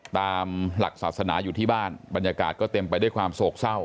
ตามหลักศาสนาอยู่ที่บ้านบรรยากาศก็เต็มไปด้วยความโศกเศร้า